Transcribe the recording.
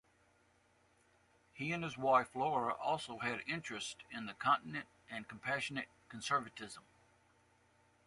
He and his wife, Laura, also had interest in the continent and compassionate conservatism.